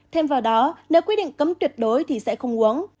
thêm vào đó nếu quy định cấm tuyệt đối thì sẽ không uống